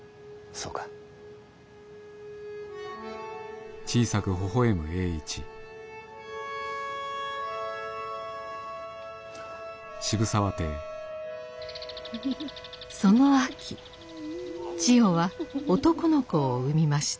その秋千代は男の子を産みました。